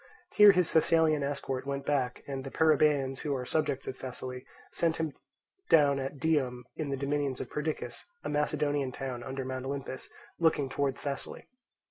Here his Thessalian escort went back, and the Perrhaebians, who are subjects of Thessaly, set him down at Dium in the dominions of Perdiccas, a Macedonian town under Mount Olympus, looking towards Thessaly.